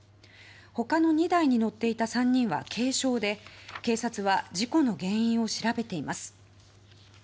他の２台に乗っていた３人は軽傷で警察は事故の原因を調べています。